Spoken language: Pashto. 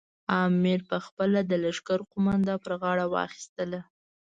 امیر پخپله د لښکر قومانده پر غاړه واخیستله.